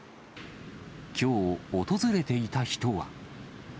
きょう、訪れていた人は。